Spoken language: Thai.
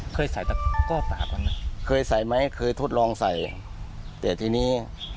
เคยใส่ตะก้อตาก่อนนะเคยใส่ไหมเคยทดลองใส่แต่ทีนี้